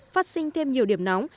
phát sinh thêm nhiều điểm nóng